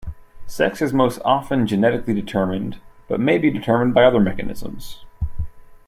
Sex is most often genetically determined, but may be determined by other mechanisms.